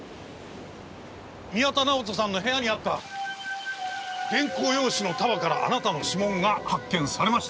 宮田直人さんの部屋にあった原稿用紙の束からあなたの指紋が発見されました。